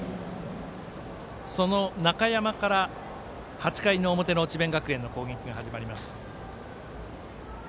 中山から８回の表の智弁学園の攻撃が始まります。